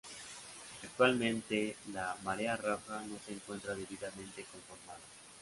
Actualmente la ""Marea Roja"" no se encuentra debidamente conformada.